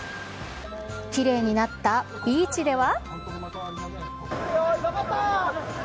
きれいになったビーチでは。